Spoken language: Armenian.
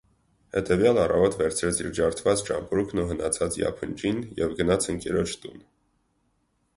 Հետևյալ առավոտ վերցրեց իր ջարդված ճամպրուկն ու հնացած յափնջին և գնաց ընկերոջ տուն: